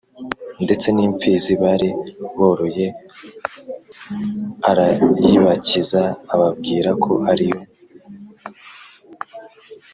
ndetse n’imfizi bari boroye arayibakiza, ababwira ko ari yo